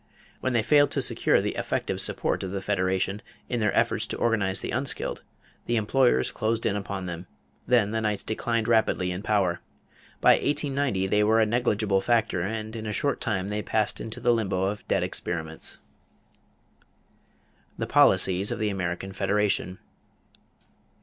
When they failed to secure the effective support of the Federation in their efforts to organize the unskilled, the employers closed in upon them; then the Knights declined rapidly in power. By 1890 they were a negligible factor and in a short time they passed into the limbo of dead experiments. =The Policies of the American Federation.